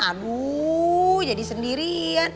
aduh jadi sendirian